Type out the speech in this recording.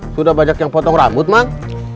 sudah banyak yang potong rambut bang